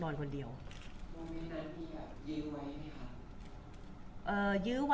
คุณผู้ถามเป็นความขอบคุณค่ะ